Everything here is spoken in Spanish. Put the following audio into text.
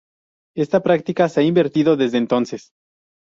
Esta práctica se ha invertido desde entonces.